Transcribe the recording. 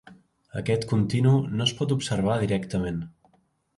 Aquest continu no es pot observar directament.